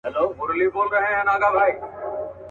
بل خوشاله په درملو وايي زېری مي درباندي.